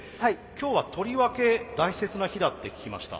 今日はとりわけ大切な日だって聞きました。